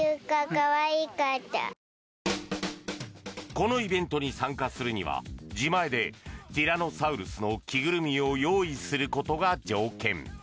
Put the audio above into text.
このイベントに参加するには自前でティラノサウルスの着ぐるみを用意することが条件。